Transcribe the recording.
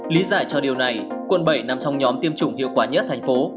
lý giải cho điều này quận bảy nằm trong nhóm tiêm chủng hiệu quả nhất thành phố